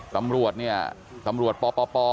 ตำรวจเนี่ยตำรวจปป